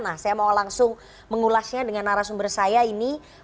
nah saya mau langsung mengulasnya dengan arah sumber saya ini